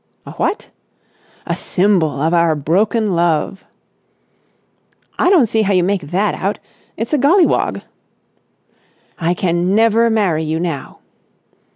"A what?" "A symbol of our broken love." "I don't see how you make that out. It's a golliwog." "I can never marry you now."